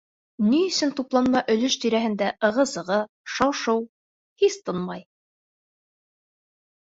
Ни өсөн тупланма өлөш тирәһендә ығы-зығы, шау-шыу һис тынмай?